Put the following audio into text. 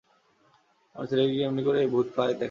আমার ছেলেকে কি এমনি করেই ভূতের ভয় দেখাতে হয়।